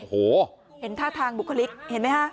เห็นท่าทางบุคลิกเห็นมั้ยฮะ